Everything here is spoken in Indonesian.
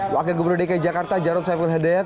wakil gubernur dki jakarta jarod saiful hidayat